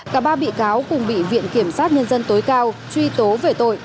cả ba bị cáo cùng bị viện kiểm sát nhân dân tối cao truy tố về tội